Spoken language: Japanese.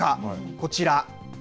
こちら。